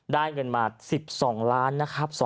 ได้เงินมา๑๒ล้านนะครับ